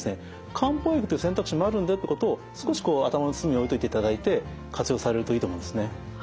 漢方薬っていう選択肢もあるんだよってことを少し頭の隅に置いといていただいて活用されるといいと思うんですね。